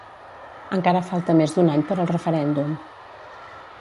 Encara falta més d'un any per al referèndum.